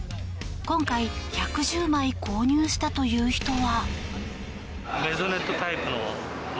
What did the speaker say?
今回、１１０枚購入したという人は。